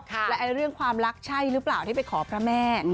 และเรื่องความรักใช่หรือเปล่าที่ไปขอพระแม่